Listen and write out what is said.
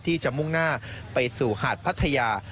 ที่จะมุ่งหน้าไปสู่หาดพัทยา